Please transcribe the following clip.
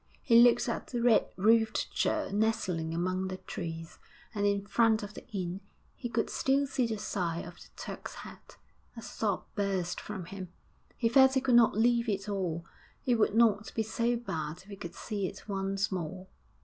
He looked at the red roofed church nestling among the trees, and in front of the inn he could still see the sign of the 'Turk's Head.' A sob burst from him; he felt he could not leave it all; it would not be so bad if he could see it once more.